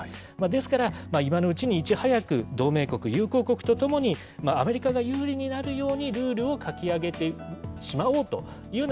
ですから、今のうちにいち早く同盟国、友好国と共に、アメリカが有利になるようにルールを書き上げてしまおうというよ